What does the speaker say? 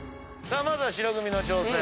まずは白組の挑戦。